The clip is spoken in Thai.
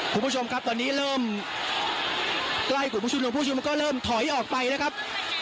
คุณผู้ชมครับตอนนี้เริ่มใกล้กลุ่มผู้ชุมนุมผู้ชุมนุมก็เริ่มถอยออกไปนะครับ